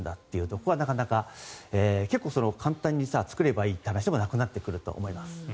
なかなか簡単に作ればいいという話ではなくなってくると思います。